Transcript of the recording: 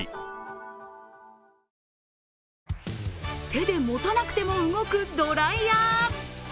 手で持たなくも動くドライヤー。